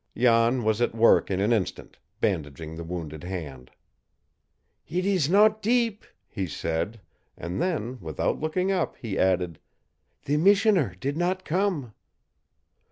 Jan was at work in an instant, bandaging the wounded hand. "It ees not deep," he said; and then, without looking up, he added: "The missioner did not come."